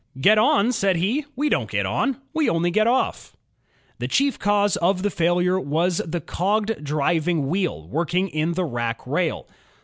"Get on?" said he, "We don't get on; we only get offi" The chief cause of the failure was the cogged driving wheel working in tbe rack rail.